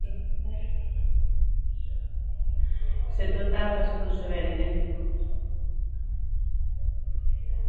Se total case non se venden.